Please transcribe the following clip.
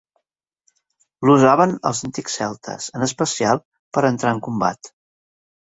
L'usaven els antics celtes en especial per a entrar en combat.